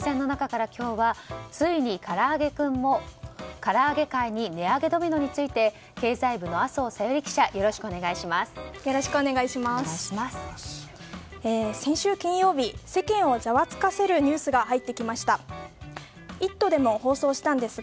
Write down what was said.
から揚げ界に値上げドミノについて経済部の麻生小百合記者よろしくお願いします。